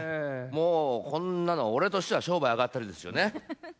もうこんなの俺としては商売あがったりですよね。